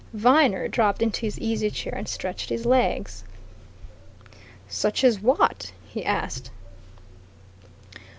Viner dropped into his easy chair and stretched his legs. "Such as what?" he asked.